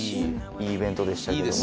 いいイベントでしたけども。